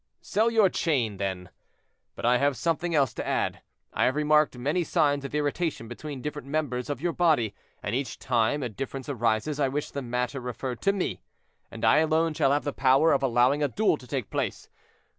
"Sell your chain, then. But I have something else to add; I have remarked many signs of irritation between different members of your body, and each time a difference arises I wish the matter referred to me, and I alone shall have the power of allowing a duel to take place.